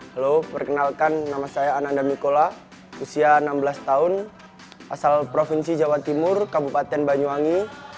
halo perkenalkan nama saya ananda mikola usia enam belas tahun asal provinsi jawa timur kabupaten banyuwangi